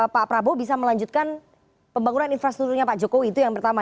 pak prabowo bisa melanjutkan pembangunan infrastrukturnya pak jokowi itu yang pertama